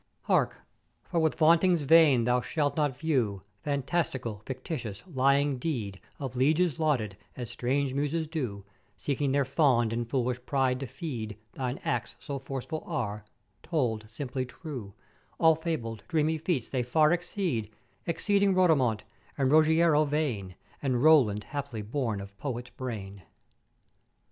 Hark, for with vauntings vain thou shalt not view phantastical, fictitious, lying deed of lieges lauded, as strange Muses do, seeking their fond and foolish pride to feed Thine acts so forceful are, told simply true, all fabled, dreamy feats they far exceed; exceeding Rodomont, and Ruggiero vain, and Roland haply born of Poet's brain.